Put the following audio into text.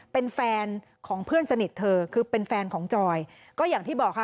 เป็นแฟนของเพื่อนสนิทเธอคือเป็นแฟนของจอยก็อย่างที่บอกค่ะ